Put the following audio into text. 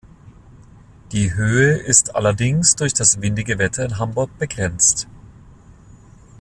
Die Höhe ist allerdings durch das windige Wetter in Hamburg begrenzt.